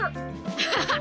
ハハハッ！